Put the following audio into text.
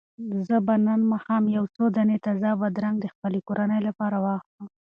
زه به نن ماښام یو څو دانې تازه بادرنګ د خپلې کورنۍ لپاره واخلم.